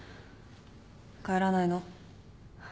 帰らないの？